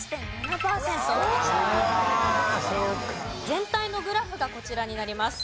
全体のグラフがこちらになります。